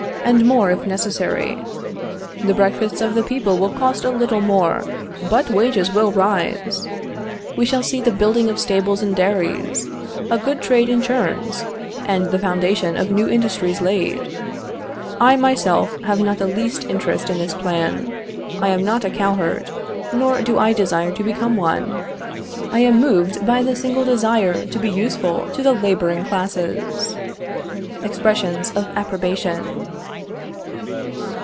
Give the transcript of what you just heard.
and more, if necessary. The breakfasts of the people will cost a little more, but wages will rise! We shall see the building of stables and dairies, a good trade in churns, and the foundation of new industries laid. I, myself, have not the least interest in this plan. I am not a cowherd, nor do I desire to become one. I am moved by the single desire to be useful to the laboring classes. [Expressions of approbation.